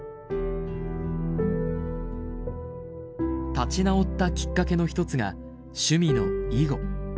立ち直ったきっかけの一つが趣味の囲碁。